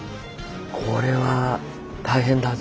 これは大変だぞ。